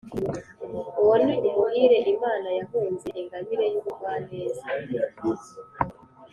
uwo ni umuhire imana yahunze ingabire y' ubugwaneza,